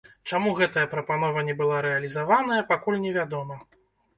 Чаму гэтая прапанова не была рэалізаваная, пакуль невядома.